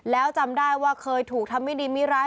แล้วจำได้ว่าเคยถูกทำไม่ดีไม่ร้าย